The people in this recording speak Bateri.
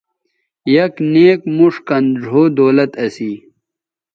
یک نیک موݜ کَن ڙھؤ دولت اسی